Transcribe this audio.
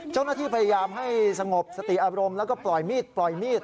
เจ้าหน้าที่พยายามให้สงบสติอารมณ์แล้วก็ปล่อยมีดปล่อยมีด